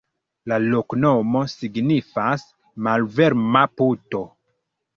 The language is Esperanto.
La loknomo signifas: malvarma-puto.